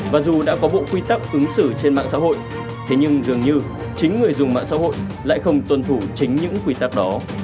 và dù đã có bộ quy tắc ứng xử trên mạng xã hội thế nhưng dường như chính người dùng mạng xã hội lại không tuân thủ chính những quy tắc đó